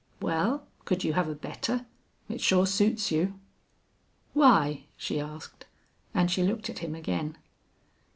"Well, could you have a better? It sure suits you." "Why?" she asked, and she looked at him again.